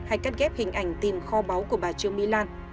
hay cắt ghép hình ảnh tìm kho báu của bà trương mỹ lan